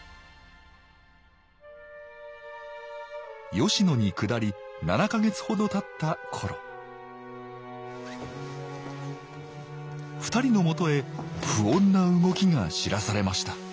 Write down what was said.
吉野にくだり７か月ほどたった頃２人のもとへ不穏な動きが知らされました